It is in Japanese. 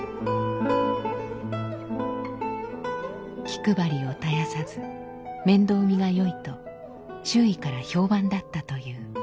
気配りを絶やさず面倒見がよいと周囲から評判だったという。